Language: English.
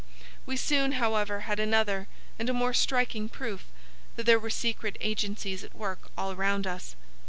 We soon, however, had another and a more striking proof that there were secret agencies at work all round us.